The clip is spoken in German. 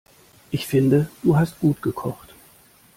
Ich finde du hast gut gekocht.